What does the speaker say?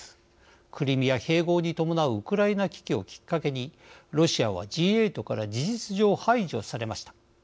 クリミア併合に伴うウクライナ危機をきっかけにロシアはＧ８から事実上、排除されました。